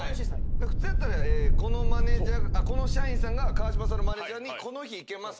普通やったらこの社員さんが川島さんのマネジャーに「この日いけますか？」